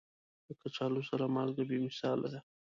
د کچالو سره مالګه بې مثاله ده.